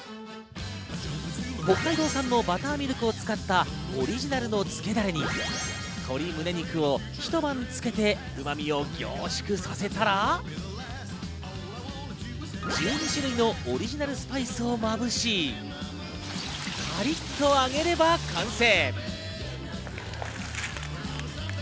北海道産のバターミルクを使ったオリジナルのつけだれに、鶏胸肉を一晩漬けてうまみを凝縮させたら１２種類のオリジナルスパイスをまぶしカリッと揚げれば完成。